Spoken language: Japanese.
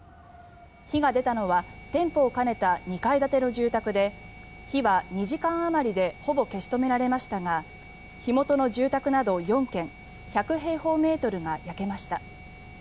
火が出たのは店舗を兼ねた２階建ての住宅で火は２時間あまりでほぼ消し止められましたが火元の住宅など４軒１００平方メートルが焼けました。